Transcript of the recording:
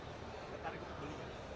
ketarik kebeli gak